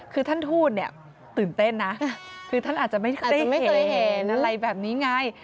คือท่านทูตเนี่ยตื่นเต้นนะคือท่านอาจจะไม่เคยเห็นอะไรแบบนี้ไง